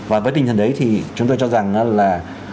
và với tinh thần đấy thì chúng tôi cho rằng là